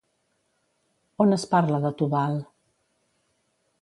On es parla de Tubal?